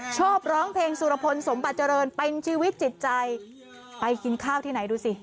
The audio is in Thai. ชอบร้องเพลงสุรพลสมบัติเจริญเป็นชีวิตจิตใจไปกินข้าวที่ไหนดูสิ